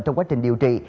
trong quá trình điều trị